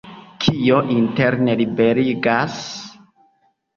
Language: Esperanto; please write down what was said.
Kio interne liberigas?